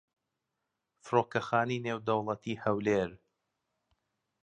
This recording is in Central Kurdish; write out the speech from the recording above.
فڕۆکەخانەی نێودەوڵەتیی هەولێر